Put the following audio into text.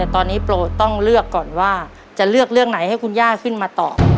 ตอนนี้โปรต้องเลือกก่อนว่าจะเลือกเรื่องไหนให้คุณย่าขึ้นมาตอบ